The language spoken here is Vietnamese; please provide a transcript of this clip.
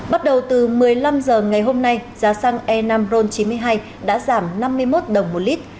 bắt đầu từ một mươi năm h ngày hôm nay giá xăng e năm ron chín mươi hai đã giảm năm mươi một đồng một lít